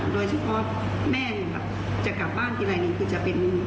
โดยเฉพาะแม่มันแบบจะกลับบ้านที่ไหนนี่คือจะเป็น